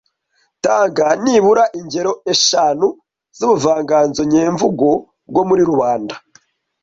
Tanga nibura ingero eshanu z’ubuvanganzo nyemvugo bwo muri rubanda